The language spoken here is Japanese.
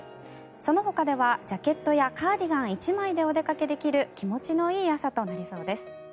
そのほかではジャケットやカーディガン１枚でお出かけできる気持ちのいい朝となりそうです。